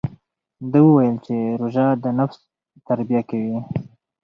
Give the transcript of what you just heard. ده وویل چې روژه د نفس تربیه کوي.